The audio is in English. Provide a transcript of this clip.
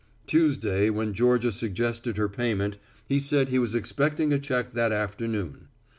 Tuesday when Georgia suggested her payment, he said he was expecting a check that afternoon.